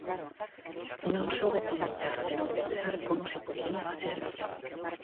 Non só documentar senón pensar como se podería facer mellor.